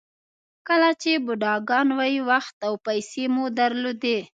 کله چې بوډاګان وئ وخت او پیسې مو درلودې.